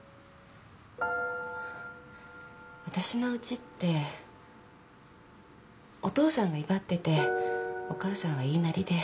わたしのうちってお父さんが威張っててお母さんは言いなりで。